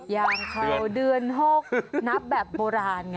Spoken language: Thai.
ยางเข้าเดือน๖นับแบบโบราณไง